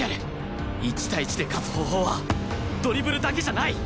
１対１で勝つ方法はドリブルだけじゃない！